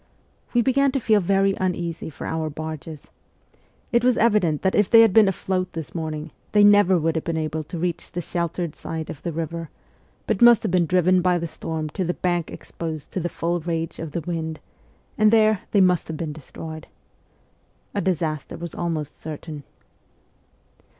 We began to feel very uneasy for our SIBERIA 223 barges. It was evident that if they had been afloat this morning, they never would have been able to reach the sheltered side of the river, but must have been driven by the storm to the bank exposed to the full rage of the wind, and there they must have been destroyed. A disaster was almost certain.